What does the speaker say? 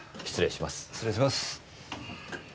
失礼します。